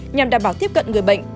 nhằm đảm bảo tiếp cận người bệnh